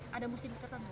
ada musim ketentu